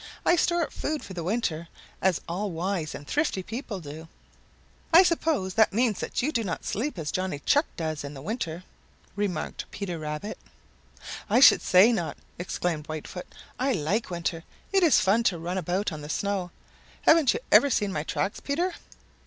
I store up food for winter, as all wise and thrifty people do." "I suppose that means that you do not sleep as Johnny Chuck does in winter," remarked Peter Rabbit. "I should say not!" exclaimed Whitefoot. "I like winter. It is fun to run about on the snow. Haven't you ever seen my tracks, Peter?"